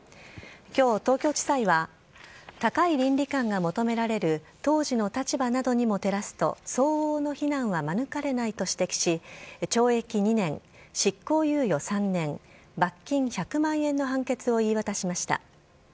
きょう、東京地裁は高い倫理観が求められる当時の立場などにも照らすと、相応の非難は免れないと指摘し、懲役２年、執行猶予３年罰金１００万円の判決を言い渡しました。